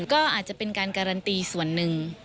ก็อาจจะเป็นการการันตีส่วนหนึ่ง